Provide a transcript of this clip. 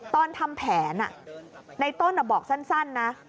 ตอนทำแผนในต้นบอกสั้นนะ